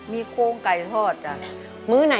มีโค้งไก่ทอดจ้ะ